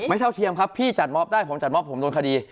เท่าเทียมครับพี่จัดมอบได้ผมจัดมอบผมโดนคดี